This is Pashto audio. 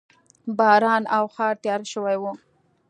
باران و او ښار تیاره شوی و